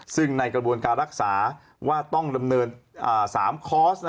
ซึ่งในกระบวนการรักษาว่าต้องดำเนิน๓คอร์ส